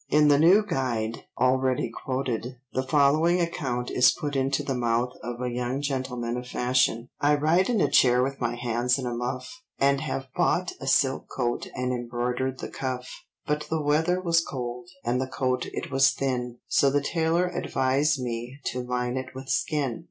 BLAIR] In The New Guide already quoted, the following account is put into the mouth of a young gentleman of fashion:— "I ride in a chair with my hands in a muff, And have bought a silk coat and embroidered the cuff. But the weather was cold, and the coat it was thin, So the tailor advised me to line it with skin.